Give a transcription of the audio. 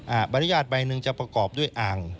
บรรยาทใบหนึ่งจะประกอบด้วยอ่าง